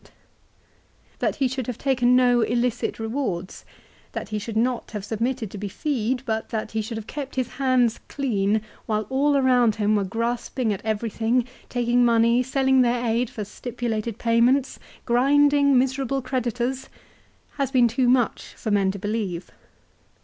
That he should have asked for nothing, that he should have taken no illicit rewards, that he should not have submitted to be fee'd, but that he should have kept his hands clean while all around him were grasping at everything, taking money, selling their aid for stipulated payments, grinding miserable creditors, has been too much for men to believe.